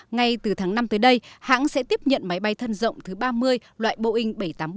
ngay từ tháng năm tới đây hãng sẽ tiếp nhận máy bay thân rộng thứ ba mươi loại boeing bảy trăm tám mươi bảy